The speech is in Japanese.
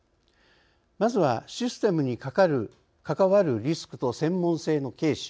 まずはシステムにかかわるリスクと専門性の軽視。